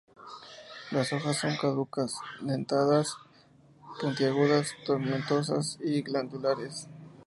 Las hojas son caducas, dentadas, puntiagudas, tomentosas y glandulares.